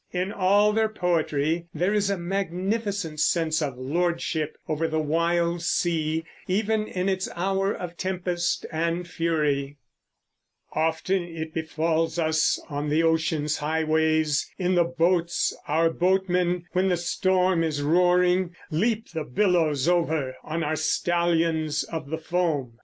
In all their poetry there is a magnificent sense of lordship over the wild sea even in its hour of tempest and fury: Often it befalls us, on the ocean's highways, In the boats our boatmen, when the storm is roaring, Leap the billows over, on our stallions of the foam.